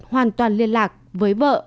hoàn toàn liên lạc với vợ